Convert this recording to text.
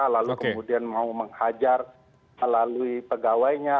lalu kemudian mau menghajar melalui pegawainya